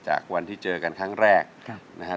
จากวันที่เจอกันครั้งแรกนะครับ